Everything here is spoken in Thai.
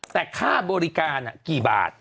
แต่ค่าบริการกี่บาท